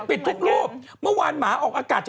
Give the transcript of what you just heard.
ปิดทุกรูปเมื่อวานหมาออกอากาศจาก